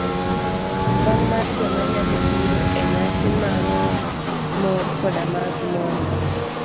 Kwan mar joma nyalo biro enyasi mag mor koda mag mor,